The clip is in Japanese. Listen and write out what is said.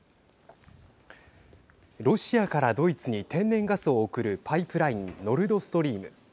ロシアからドイツに天然ガスを送るパイプラインノルドストリーム。